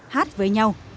hát với nhau